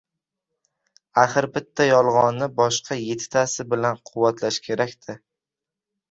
Axir bitta yolg‘onni boshqa yettitasi bilan quvvatlash kerakda.